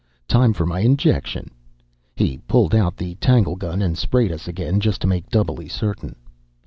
"Time for my injection." He pulled out the tanglegun and sprayed us again, just to make doubly certain.